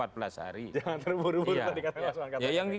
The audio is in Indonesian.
jangan terburu buru tadi katanya